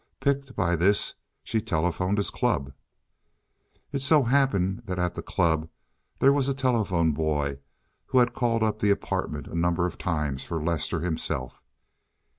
Piqued by this, she telephoned his club. It so happened that at the club there was a telephone boy who had called up the apartment a number of times for Lester himself.